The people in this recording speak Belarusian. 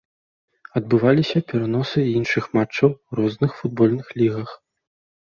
Адбываліся пераносы і іншых матчаў у розных футбольных лігах.